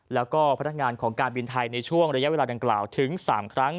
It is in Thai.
แล้วก็พนักงานของการบินไทยในช่วงระยะเวลาดังกล่าวถึง๓ครั้ง